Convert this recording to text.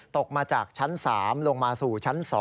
ตกมาจากชั้น๓ลงมาสู่ชั้น๒